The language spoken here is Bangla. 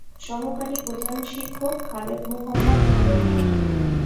সহকারী প্রধান শিক্ষক খালেদ মোহাম্মদ আলমগীর।